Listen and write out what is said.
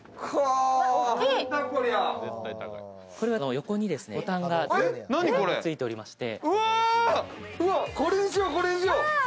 横にボタンがついておりまして。